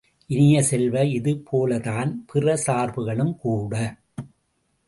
இனிய செல்வ, இது போலத்தான் பிற சார்புகளும் கூட!